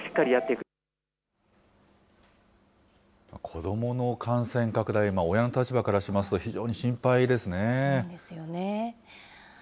子どもの感染拡大、親の立場からしますと、非常に心配ですね。